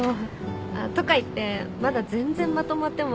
あっとかいってまだ全然まとまってもないし